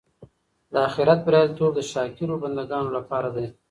د اخیرت بریالیتوب د شاکرو بندګانو لپاره دی.